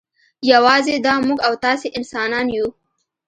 یوازې دا موږ او تاسې انسانان یو.